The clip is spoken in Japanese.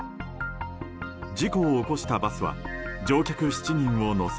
事故を起こしたバスは乗客７人を乗せ